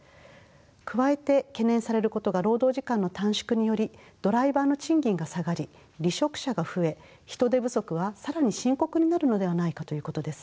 加えて懸念されることが労働時間の短縮によりドライバーの賃金が下がり離職者が増え人手不足は更に深刻になるのではないかということです。